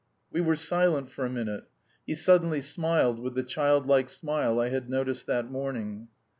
We were silent for a minute. He suddenly smiled with the childlike smile I had noticed that morning.